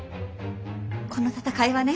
この闘いはね